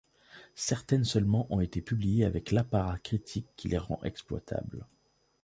Certaines seulement ont été publiées avec l'apparat critique qui les rend exploitables.